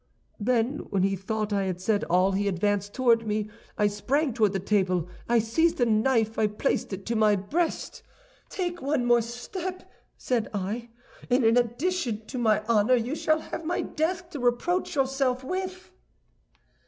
Then, when he thought I had said all, he advanced toward me; I sprang toward the table, I seized a knife, I placed it to my breast. "Take one step more," said I, "and in addition to my dishonor, you shall have my death to reproach yourself with."